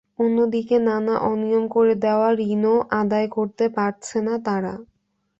অন্যদিকে নানা অনিয়ম করে দেওয়া ঋণও আদায় করতে পারছে না তারা।